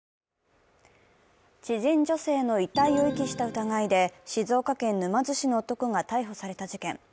知人女性の遺体を遺棄した疑いで静岡県沼津市の男が逮捕された事件。